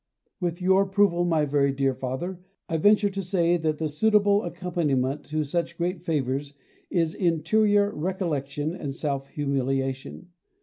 With your approval, my very dear Father, I venture to say that the suitable accompaniment to such great favours is interior recollection and self humiliation.